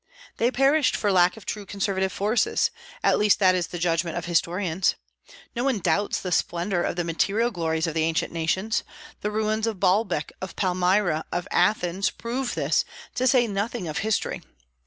They perished for lack of true conservative forces; at least that is the judgment of historians. Nobody doubts the splendor of the material glories of the ancient nations. The ruins of Baalbec, of Palmyra, of Athens, prove this, to say nothing of history.